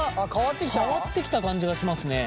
変わってきた感じがしますね。